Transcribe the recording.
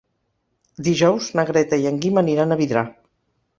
Dijous na Greta i en Guim aniran a Vidrà.